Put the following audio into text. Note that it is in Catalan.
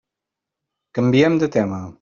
Canviem de tema.